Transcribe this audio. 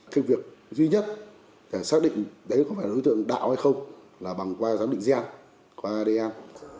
cái việc duy nhất để xác định đấy có phải là đối tượng đạo hay không là bằng qua giám định gen qua adm